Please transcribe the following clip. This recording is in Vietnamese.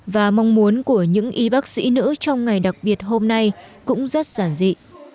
và mong muốn của những y bác sĩ nữ trong ngày đặc biệt hôm nay cũng rất giản dị